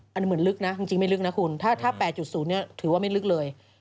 อันนี้เหมือนลึกนะจริงไม่ลึกนะคุณถ้า๘๐ถือว่าไม่ลึกเลย